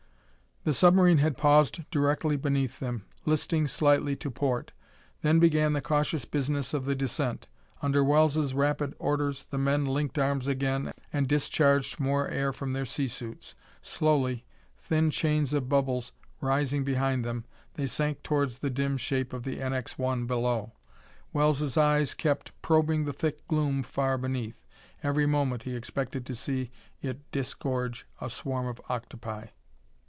The submarine had paused directly beneath them, listing slightly to port. Then began the cautious business of the descent. Under Wells' rapid orders the men linked arms again and discharged more air from their sea suits. Slowly, thin chains of bubbles rising behind them, they sank towards the dim shape of the NX 1 below. Wells' eyes kept probing the thick gloom far beneath. Every moment he expected to see it disgorge a swarm of octopi.